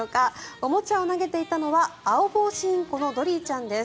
おもちゃを投げていたのはアオボウシインコのドリーちゃんです。